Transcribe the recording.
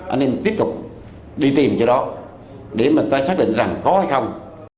anh em tiếp tục đi tìm chỗ đó để người ta xác định rằng có hay không